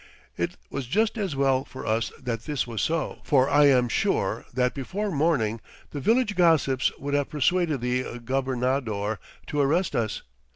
It was just as well for us that this was so, for I am sure that before morning the village gossips would have persuaded the gobernador to arrest us.